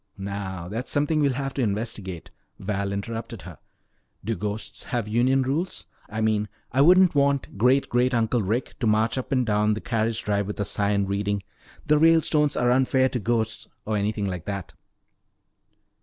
"Now that's something we'll have to investigate," Val interrupted her. "Do ghosts have union rules? I mean, I wouldn't want Great great uncle Rick to march up and down the carriage drive with a sign reading, 'The Ralestones are unfair to ghosts,' or anything like that."